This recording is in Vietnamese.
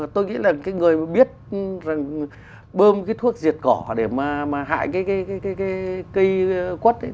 tôi nghĩ là cái người mà biết rằng bơm cái thuốc diệt cỏ để mà hại cái cây quất ấy